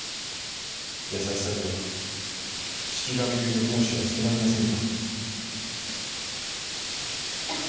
優しさでは四鬼神流の当主は務まりませんよ。